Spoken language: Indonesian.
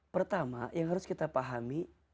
pertama yang harus kita pahami